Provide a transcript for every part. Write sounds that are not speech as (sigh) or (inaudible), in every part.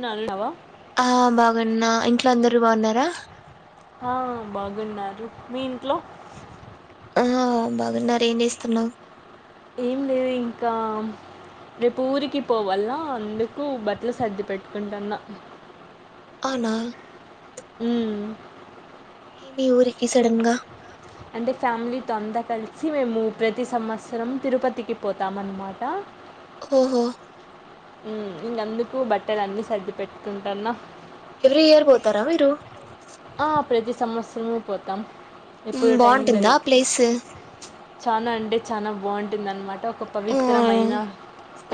నా నవా ఆ బాగున్నా ఇంట్లో అందరు బాగున్నారా ఆ బాగున్నారు మీ ఇంట్లో ఆ బాగున్నారు ఏం చేస్తున్నా ఏం లేదు ఇంకా రేపు ఊరికి పోవన అందుకు బట్టలు సర్ది పెట్టుకుంటున్న అనా అ ఏ మీ ఊరికి సడన్గా అంటే ఫ్యామిలీతో అంతా కలిసి మేము ప్రతి సంవత్సరం తిరుపతికి పోతాం అన్నమాట ఆఓహా ఇంకందుకు బట్టలు అన్ని సర్ది పెట్టుకుంటానా ఎవ్రీ ఇయర్ పోతారా మీరు సంవత్సరమే పోతాం ఎప్పుడు మ్, టైం బాగుంటుందా దరుకు ప్లేస్ చనా అంటే చాలా బాగుంటు ఉంటందనమాట ఆ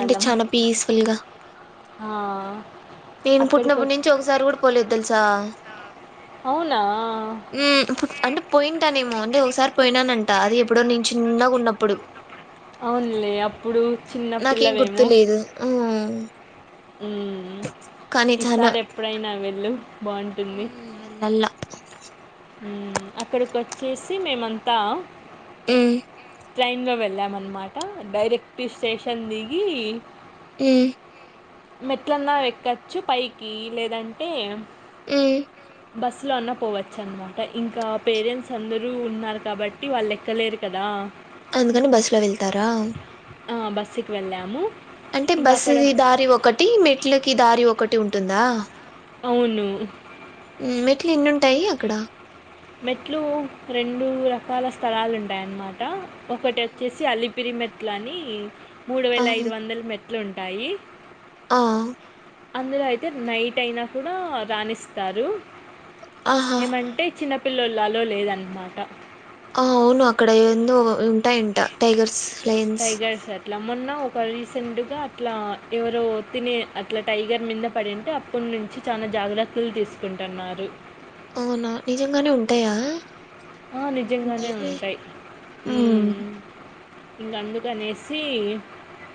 అంటే చాలా పీస్ఫుల్గా ఆ, నేను అక్కడికి పుట్టినప్పటి వచ్చి నుంచి ఒకసారి కూడా పోలేదు తెలుసా అవునా అంటే పోయింటానేమో అ ఒకసారి పోయినానంట అది ఎప్పుడో నను చిన్నగా ఉన్నప్పుడు అవునులే అప్పుడు చిన్న నాకేం పిల్లవేమో గుర్తులేదు మ్, ఉ ఈసారి ఎప్పుడైనా వె హలో హ అ అక్కడికి వచ్చేసి మేమంతా ఆ ట్రైన్లో వెళ్ళామన్నమాట డైరెక్ట్ స్టేషన్ దిగి ఆ మెట్లలా ఎక్కచ్చు పైకి లేదంటే ఆ బస్సులో అన్న పోవచ్చ అనమాట ఇంకా పేరెంట్స్ అందరూ ఉన్నారు కాబట్టి వాళ్ళు ఎక్కలేరు కదా అందుకని బస్ లో వెళ్తారా బస్సుకి వెళ్ళాము అంటే బస్ ఇంగక్కడ దారి ఒకటి ఒకటి మెట్లకి దారి ఒకటి ఉంటుందా. అవును. మెట్లు ఎన్నింటాయి అక్కడ. మెట్లు రెండు రకాల స్థలాలు ఉంటాయన్నమాట. ఒకటి హ్మ్. వచ్చేసి అలిపిరిమె ట్లాని మూడు వేల ఆహా! ఐదు వందలు మె ట్లుంటాయి ఆ అందులో అయితే నైట్ అయినా కూడా రానిస్తారు. ఆహా! ఏమంటే చిన్న పిల్లోల్లు అలో లేదన్నమాట. ఆ అవును అక్కడ ఎందో ఉంటాయ అంట టైగర్స్, లయన్స్. ఇట్లా మొన్న ఒక రీసెంట్గా అట్లా ఎవరో తినే అట్లా టైగర్ మీద పడింటే అప్పటి నుంచి చాలా జాగ్రత్తలు తీసుకుంటున్నారు. అవునా నిజంగానే ఉంటాయా. ఆ నిజంగానే ఉంటాయిలే. ఉంటాయి హ్ హ్మ్. ఇంకా అందుకనేసి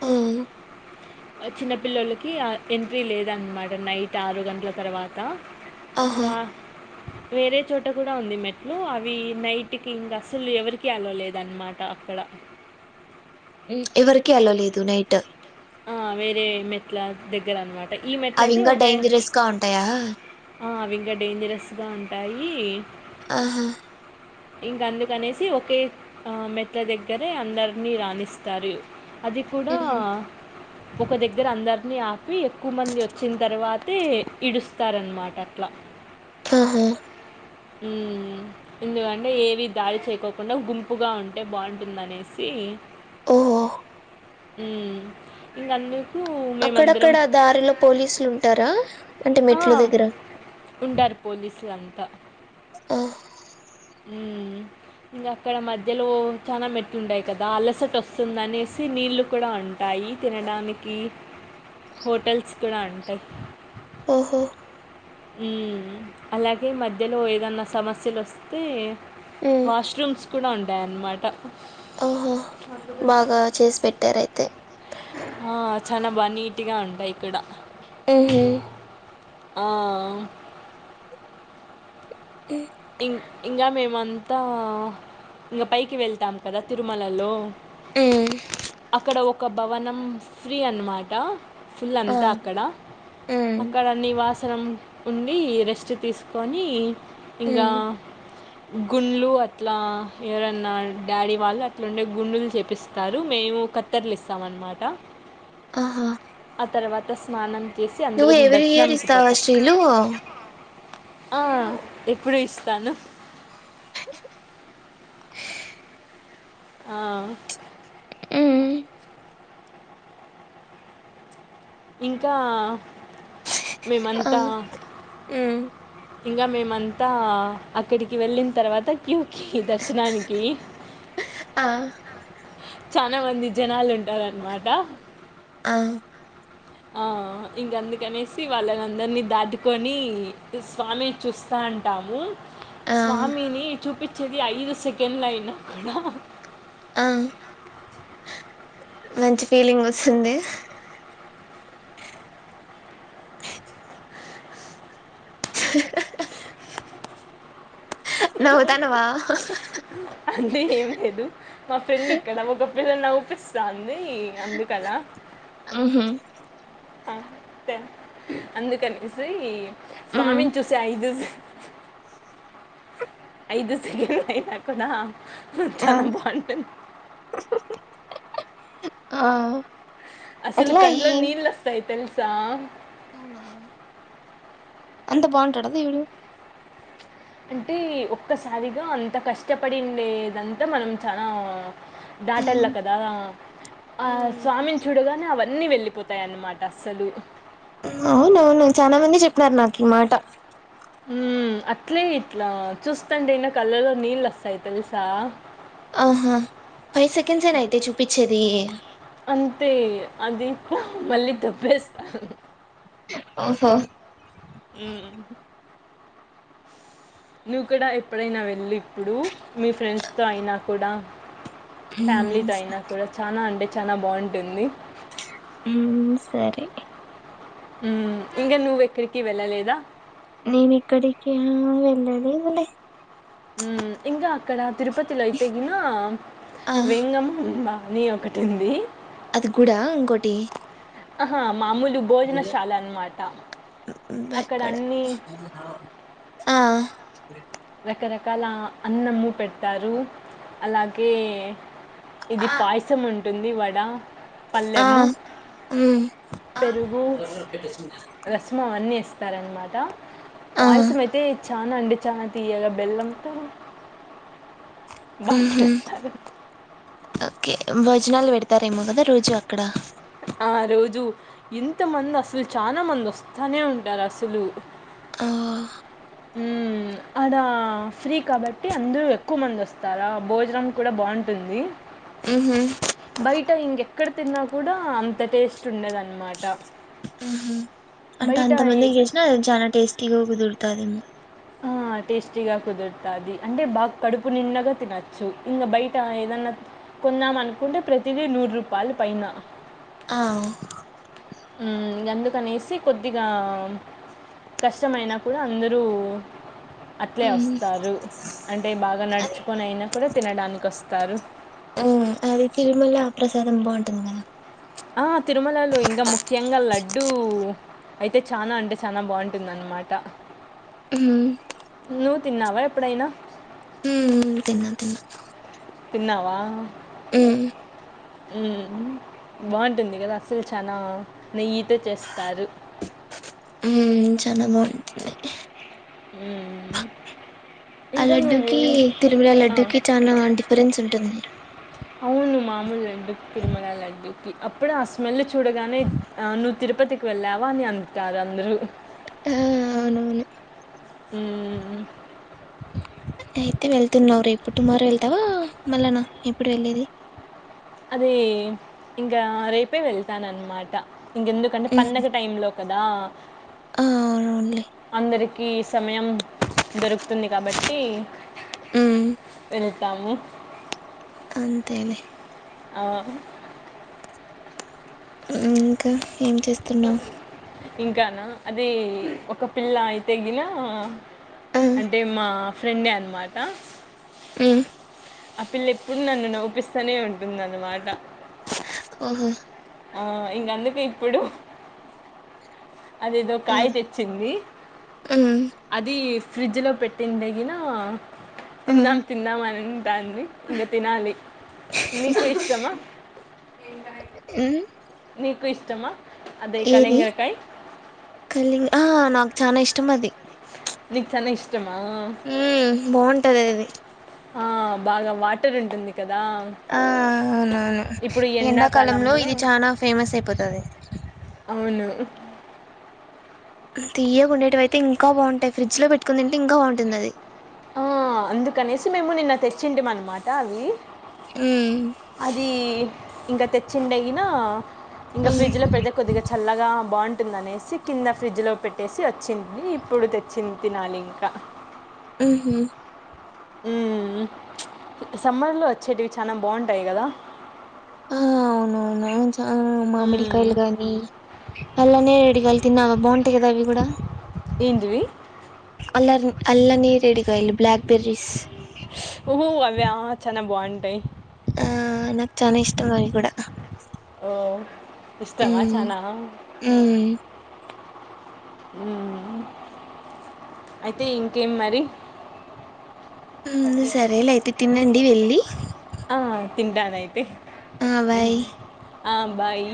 ఆ చిన్న పిల్లలకి ఎంట్రీ లేదన్నమాట నైట్ ఆరు గంటల తర్వాత. ఆహా! ఇంగా వేరే చోట కూడా ఉంది మెట్లు అవి నైట్కి ఇంకా అసలు ఎవరికి అలోలేదున్నమాట అక్కడ. ఎవరికి అలో లేదు నైట్. ఆ వేరే మెట్ల దగ్గర అన్నమా అవి ఇంకా డేంజరస్ గా ఉంటాయా. అవి ఇంకా డేంజరస్గా ఉంటాయి. ఆహా ఇంకా అందుకనేసి ఒకే ఆ మెట్ల దగ్గరే అందరినీ రానిస్తారు. అది కూడా హుహు. ఒక దగ్గర అందరినీ ఆ పి ఎక్కువ మంది వచ్చిన తర్వా తే ఇడుస్తారనమాట అట్లా. ఆహా హ్ ఎందుకంటే ఏవి దాడి చేయకోకుండా గుంపుగా ఉంటే బాగుంటుందనేసి ఓహా హ్ ఇంకా అందు అక్కడక్కడ దారిలో పోలీసులు ఉంటరా. ఆ ఉంటారు పోలీసులు అంతా ఆ ఉ ఇంగ అక్కడ మధ్యలో చాలా మెట్లు ఉంటాయి గదా అల్లసట వస్తుందినేసి నీళ్లు కూడా ఉంటాయి తినడానికి హోటల్స్ కూడా ఉంటాయ్. ఆఓహో. ఉ అలాగే మధ్యలో ఏదన్నా సమస్యలు లోస్తే. హ్మ్. వాష్రూమ్స్. కూడా ఉంటాయన్నమాట. ఓహా బాగా చేసి పెట్టారు అయితే. చాన బా నీట్ గ ఉంటాయి ఇక్కడ. ఉమ్ ఆ. (unintelligible) ఎ. ఇం ఇంకా మేమంతా ఇంకా పైకి వెళ్తాం కదా తిరుమలలో. అక్కడ ఒ. ఒక భవనం ఫ్రీ అన్నమాట ఫుల్ ఆ అంతా అక్కడ ఉమ్ అక్కడ నివాస. అవసరం ఉండి రెస్ట్ తీసుకొని. ఇంకా. గుండ్లు అట్లా ఎవరన్నా డాడీ వాళ్ళు అట్లాండే గుండులు చేపిస్తారు మేము కత్తెర్లు ఇస్తామ అన్నమాట. ఆహా. ఆ తర్వాత స్నానం. చేసి నువ్వు అందరం ఎవ్రీ ఇయర్ దర్శనంకి ఇస్తావా పోతాం. శ్రీలు. ఆ ఎప్పుడు ఇస్తాను. ఆ. ఉమ్ ఇంకా. మేమంతా (inaudible) ఇగ మేమంతా అక్కడికి వెళ్ళిన తర్వాత క్యూ. కి దర్శనానికి. ఆ చాన మంది జనాలు ఉంటారన్నమాట. ఆ. ఆ ఇంకందుకనేసి వాళ్ళని అందరినీ దాటుకోని స్వామినీ చూస్తా అంటాము. ఆ స్వామిని చూపి. చ్చది ఆయిన సెకెన్లు అయినా కూడా. ఆ మంచి ఫీలింగ్ వస్తుంది. (inaudible) నవ్వుతానవా అంటే ఏం లేదు మా ఫ్రెండ్ ఇక్కడ ఒక. మీరు నవ్వుపీస్తల్. ఇది అందుకాల. ఉహు అందుకనేసి. ఉమ్ స్వామిని చూసె ఐదు. ఐదు సెగ అయికునా ఆ చాలా బాగుంటుంది ఆ అసలు ఎట్లా కండ్లో నీళ్ళ న వస్తాయితే సా ఉవునా అంత బాగుంటాడుదా దవుడు అంటే ఒక్కసారిగా అంత కష్టపడిండేదంతా మనం చాలా దాటల్లా కదా ఆ స్వామిని చూడగానే అవ అన్నీ వెళ్ళిపోతాయన్నమాట అస్సలు అవునవును చాలా మంది చెప్పినారు నాకు ఈ మాట ఉ అట్లే ఇట్లా చూస్తం అయినా కళ్ళలో నీళ్ళు వస్తాయి తెలుసా ఆహా ఫై సెండ్స్యితే చూపిచ్చ్ తీ అంతే అది మళ్ళీ తప్పేస్తాను ఓహో ఆ నువ్వు కూడా ఎప్పుడైనా వెళ్ళి ఇప్పుడు మీ ఫ్రెండ్స్తో అయినా కూడా ఫ్యామిలీతో అయినా కూడా చనా అండే చాలా బాగుంటుంది ఉ సరే ఇంకా నువ్వెక్కడికి వెళ్ళలేదా నేను ఇక్కడికి వెళ్ళాలి అల ఉ ఇంకా అక్కడ తిరుపతిలో అయితే కిన ఆ వేంగమ ఉబా నీ ఒకటింది అది గుడా ఇంకోటి హా మామూలు భోజనశాల అన్నమాట అక్కడ అన్ని ఆ రకరకాల అన్న మూట్ పెట్టారు అలాగే ఇది పాయసం ఉంటే ఉంటుంది వడ ఆ పళ్ళెము పెరుగు టారన్మాట ఆ పాయసం అయితే చాన అండి చా తియ్యగా బెల్లంతో బాగా ఉహు చెస్తారు ఓకే భోజనాలు పెడతరేమో కదా రోజు అక్కడ ఆ రోజు ఇంతమంది అసలు చాన మంది వస్తానే ఉంటారు అసలు ఆ ఓ మ్మూ అడా ఫ్రీ కాబట్టి అందరు ఎక్కువ మంది వస్తారా భోజనం కూడా బాగుంటుంది. ఉహు బయట ఇంగెక్కడ తిన్నా కూడా అంత టేస్ట్ ఉండదన్నమాట హ్మ్ హు అంటే బయట అంత ఏ- మందికి చేసిన అది చాన టేస్టీగా కుదురు తాదేమో ఆ టేస్టీగా కుదురుతాది అంటే బాగా కడుపు నిన్నగా తినచ్చు ఇంగ బయట ఏదన్న కొందాం అనుకుంటే ప్రతిదీ నూరు రూపాయలు పైన. ఆ మ్మ్ అందుకనేసి కొద్దిగా కష్టమైనా కూడా అందరూ అట్లే ఉమ్ వస్తారు అంటే బాగ అది నడుచుకొని అయినా కూడ తినడానికి వస్తారు ఉమ్ అది తిరుమల ప్రసాదం బాగుంటుంది కదా. ఆ తిరుమలలో ఇంగ ముఖ్యంగా లడ్డూ అయితే చానా అంటే చాన బాగుంటుంది అన్మాట హ్మ్ నువ్వు తిన్నావా ఎప్పుడైనా? తిన్న తిన్న తిన్న న్నావా మ్మ్ మ్మ్ బాగుంటుంది కదా అసలు చాన నెయ్యితో చేస్తారు. చాన బాగుంటుంది హ్మూ ఆ లడ్డుకి, తిరుమల లడ్డుకి, చానా డిఫరెన్స్ ఉంటుంది. అవును మామూలు లడ్డు తిరుమల లడ్డుకి అప్పుడే ఆ స్మెల్ చూడగానే నువ్వు తిరుపతికి వెళ్ళావా అని అంటారు అందరు. ఆ అవునవును హ్మూ అయితే వెళ్తున్నావు రేపు టుమారో వెళ్తావా మళ్ళనా ఎప్పుడు వెళ్ళేది? ఏ ఇంగా రేపే వెళ్తానన్మాట. ఇంగెందుకంటే పండగ టైం లో క దా ఆ అవునవునులే అందరి కీ సమయం దొరుకుతుంది కాబట్టి ఉమ్, వెళ్ తాము అంతేలే ఆ మ్మ్ ఇంకా ఏం చేస్ తిన్నా ఇంకానా అది ఒక పిల్ల అయితే గినా ఆ, అంటే మా ఫ్రెండే అన్నమాట ఉ ఆ పిల్ల ఎప్పుడు నన్ను నవిపిస్తూనే ఉంటుంది అన్నమాట ఓహో ఆ ఇంకందుకే ఇప్పుడు అది ఏదో కాయ తెచ్చింది ఉమ్, అది ఫ్రిడ్జ్ పెట్టింటే గిన ఆ, తిందాం తిందామ అని దాన్ని ఇంగ తినాలి నీకు ఇష్టమా ఏం కాయ ఉ నీకు ఇష్టమా అదే ఏది కళింగరకాయ కలింగ్ ఆ నాకు చానా ఇష్ మది నీక్ చానా ఇష్ ఉ బాగుంటది అది ఆ బాగా వాటర్ ఉంటుంది కదా! ఆ అవునవును ఎండాకాలంలో ఇది చానా ఫేమస్ అయిపోతది అవును తియ్యకుండేటివి అయితే ఇంకా బాగుంటాయి ఫ్రిడ్జ్ లో పెట్టుకొని తింటే ఇంకా బాగుంటుంది అది ఆ అందుకనేసి మేము నిన్న తెచ్చింటిమి అన్నమాట అవి ఆ అది ఇంక తెచ్చిండేగీనా ఇంకా ఫ్రిడ్జ్ లో పెడితే కొద్దిగా చల్లగా బాం ఉంటుందనేసి కింద ఫ్రిడ్జ్ లో పెట్టేసి వచ్చింది ఇప్పుడు తెచ్చింది తినాలి ఇంకా మ్మ్ హ్మ్ మ్మ్ ప్చ్ సమ్మర్ లో వచ్చేటివి చానా బాగుంటాయ్ గదా ఆ అవును ఆవును ప్చ్ ఆ మ్మ్. మామిడికాయలు గాని అలానే అల్లనేరెడిగాయల్ తిన్నా బాగుంటాయ్ కదా అవి గూడ ఎందివి అల్ల నేరేడు కాయలు బ్లాక్ బెర్రీస్ ష్ ఓహో అవ్వా చానా బాం టయ్ ఆ నాక్ చానా ఇష్టం అవి కూడ ఓ ఇష్టమా చానా ఉం అయితే ఇంకేం మరి ఉం సరే లె అయితె తినండి వెళ్లి తింటానైతే ఆ బాయ్ ఆ బాయి